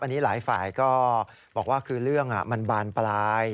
อันนี้หลายฝ่ายก็บอกว่าคือเรื่องมันบานปลาย